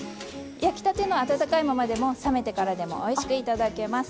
焼きたての温かいままでも冷めてからでもおいしく頂けます。